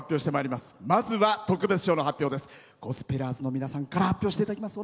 まずは特別賞の発表です。